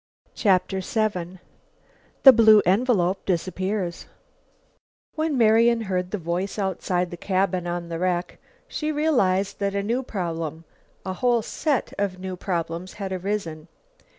CHAPTER VII THE BLUE ENVELOPE DISAPPEARS When Marian heard the voice outside the cabin on the wreck, she realized that a new problem, a whole set of new problems had arisen.